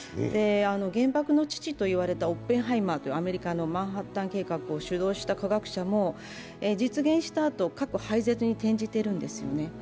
原爆の父と言われたオッペンハイマー、アメリカのマンハッタン計画を主導した科学者も実現したあと核廃絶に転じているんですよね。